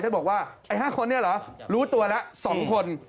บอกว่าไอ้๕คนเนี่ยเหรอรู้ตัวละ๒คน